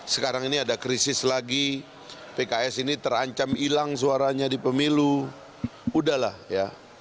sekarang ini ada krisis lagi pks ini terancam hilang suaranya di pemilu udahlah ya